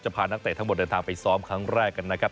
พานักเตะทั้งหมดเดินทางไปซ้อมครั้งแรกกันนะครับ